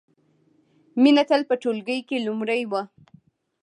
مینه تل په ټولګي کې لومړۍ وه